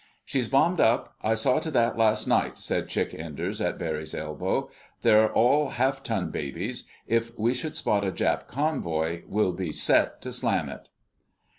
"She's bombed up. I saw to that last night," said Chick Enders at Barry's elbow. "They're all half ton babies. If we should spot a Jap convoy, we'll be set to slam it."